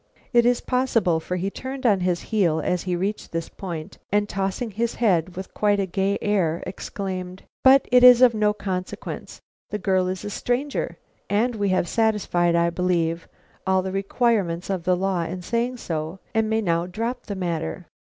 It is possible, for he turned on his heel as he reached this point, and tossing his head with quite a gay air, exclaimed: "But it is of no consequence! The girl is a stranger, and we have satisfied, I believe, all the requirements of the law in saying so, and may now drop the matter.